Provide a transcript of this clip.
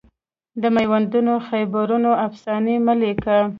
د میوندونو خیبرونو افسانې مه لیکه